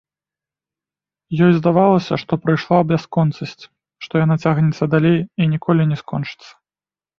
Ёй здавалася, што прайшла бясконцасць, што яна цягнецца далей і ніколі не скончыцца.